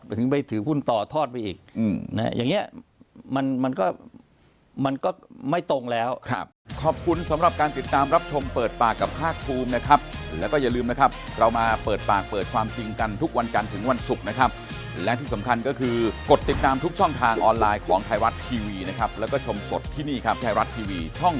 ถึงไปถือหุ้นต่อทอดไปอีกอย่างนี้มันก็มันก็ไม่ตรงแล้ว